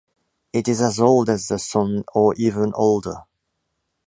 It is as old as the Sun, or even older.